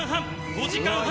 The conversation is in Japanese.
５時間半。